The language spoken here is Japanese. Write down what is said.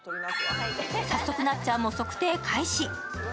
早速、なっちゃんも測定開始。